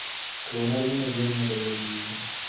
که هنر وي نو ژوند نه بدرنګیږي.